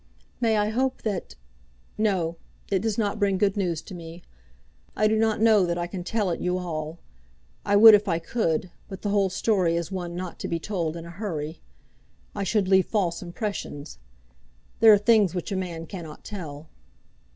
"May I hope that " "No; it does not bring good news to me. I do not know that I can tell it you all. I would if I could, but the whole story is one not to be told in a hurry. I should leave false impressions. There are things which a man cannot tell."